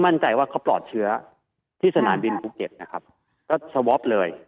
มั่นใจว่าเขาปลอดเชื้อที่สนามบินภูเก็ตนะครับก็สวอปเลย